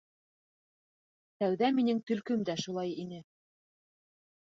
Тәүҙә минең Төлкөм дә шулай ине.